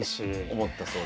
思ったそうです。